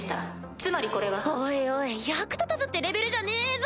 つまりこれは。おいおい役立たずってレベルじゃねえぞ！